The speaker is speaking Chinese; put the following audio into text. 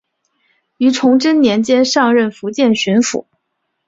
于崇祯年间上任福建巡抚。